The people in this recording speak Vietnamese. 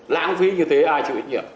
lãng phí như thế ai chịu ý nhiệm